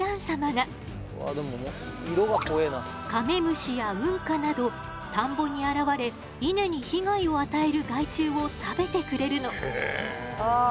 カメムシやウンカなど田んぼに現れ稲に被害を与える害虫を食べてくれるの。